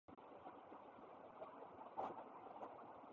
高知県田野町